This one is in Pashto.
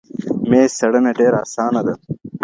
میز څېړنه ډېره اسانه ده.